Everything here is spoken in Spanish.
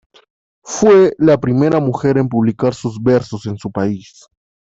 Fue la primera mujer en publicar sus versos en su país.